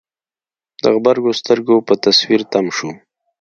د غبرګو سترګو په تصوير تم شو.